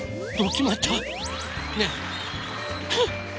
きまった？